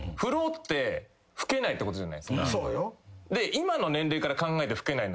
今の年齢から考えて老けない